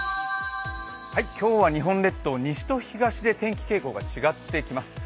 今日は日本列島、西と東で天気傾向が違ってきます。